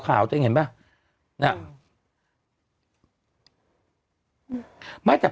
แต่หนูจะเอากับน้องเขามาแต่ว่า